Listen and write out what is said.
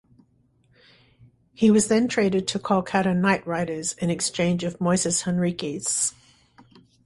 He was then traded to Kolkata Knight Riders in exchange of Moises Henriques.